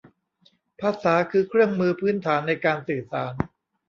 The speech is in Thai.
ภาษาคือเครื่องมือพื้นฐานในการสื่อสาร